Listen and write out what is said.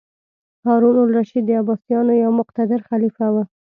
هارون الرشید د عباسیانو یو مقتدر خلیفه و.